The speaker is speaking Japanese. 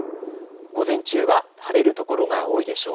午前中は晴れる所が多いでしょう。